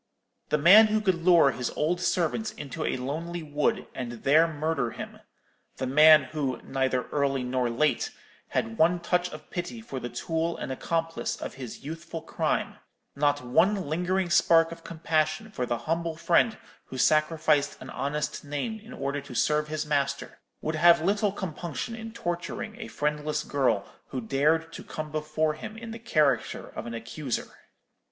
The man who could lure his old servant into a lonely wood and there murder him—the man who, neither early nor late, had one touch of pity for the tool and accomplice of his youthful crime—not one lingering spark of compassion for the humble friend who sacrificed an honest name in order to serve his master—would have little compunction in torturing a friendless girl who dared to come before him in the character of an accuser.'